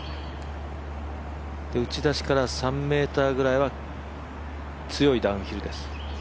打ち出しから３ｍぐらいは強いダウンヒルです。